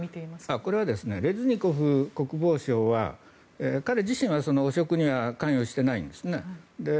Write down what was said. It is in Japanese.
これはレズニコフ国防相は彼自身は汚職には関与していないんです。